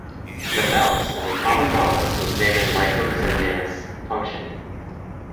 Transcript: The mouse is a common model to examine lipoxygenase function.